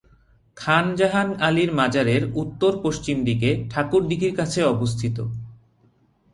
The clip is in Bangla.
খান জাহান আলীর মাজারের উত্তর পশ্চিম দিকে ঠাকুর দিঘির কাছে অবস্থিত।